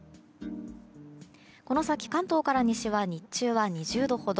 この先、関東から西は日中は２０度ほど。